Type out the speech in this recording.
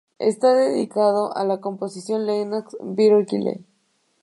Está dedicado al compositor Lennox Berkeley.